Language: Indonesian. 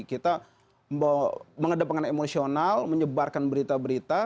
kita mengedepankan emosional menyebarkan berita berita